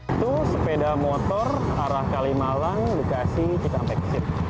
itu sepeda motor arah kalimalang bekasi cikampek kesit